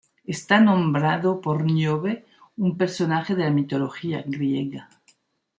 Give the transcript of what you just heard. Está nombrado por Níobe, un personaje de la mitología griega.